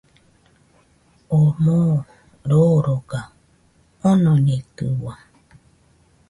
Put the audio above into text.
Oo moo roroga, onoñeitɨua